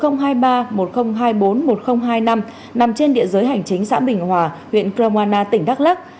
nằm trên địa giới hành chính xã bình hòa huyện cromana tỉnh đắk lắc